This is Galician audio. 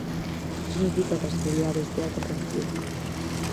Non significa que a seguridade estea comprometida.